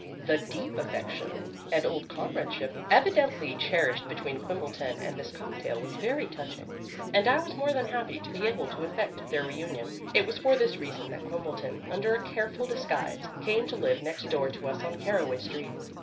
The deep affection and old comradeship evidently cherished between Quimbleton and this cocktail was very touching, and I was more than happy to be able to effect their reunion. It was for this reason that Quimbleton, under a careful disguise, came to live next door to us on Caraway Street.